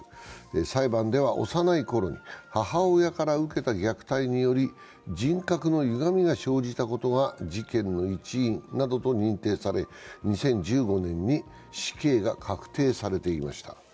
裁判では幼いころに母親から受けた虐待により人格のゆがみが生じたことが事件の一因などと認定され２０１５年に死刑が確定されていました。